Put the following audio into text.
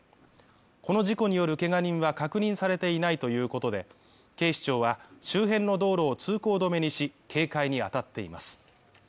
この事故によるけが人は確認されていないということで、警視庁は、周辺の道路を通行止めにし、警戒にあたっています。